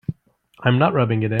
I'm not rubbing it in.